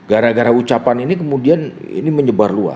gara gara ucapan ini kemudian ini menyebar luas